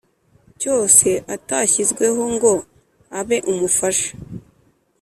Cyose atashyizweho ngo abe umufasha